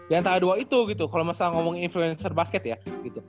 yang tak ada dua itu gitu kalo misalkan ngomongin influencer basket ya gitu